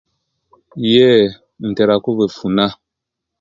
Iyee, ntera okubufuna.